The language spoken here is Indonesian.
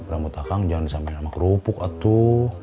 rambut akang jangan disamain sama kerupuk atuh